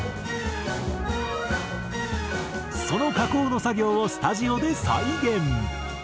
その加工の作業をスタジオで再現。